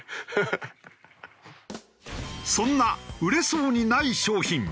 そんな売れそうにない商品。